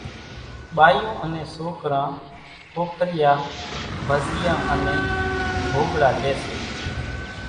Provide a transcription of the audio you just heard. ٻايُون انين سوڪران ڦوڦريا، ڀزيئان انين ڀوڳڙا ليئيَ سي۔